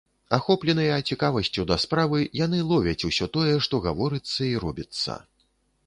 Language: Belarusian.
Ахопленыя цікавасцю да справы, яны ловяць усё тое, што гаворыцца і робіцца.